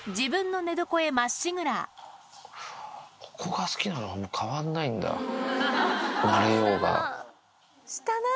ここが好きなの、変わんないんだ、慣れようが。